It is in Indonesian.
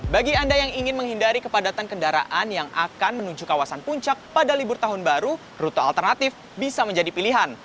bagi anda yang ingin menghindari kepadatan kendaraan yang akan menuju kawasan puncak pada libur tahun baru rute alternatif bisa menjadi pilihan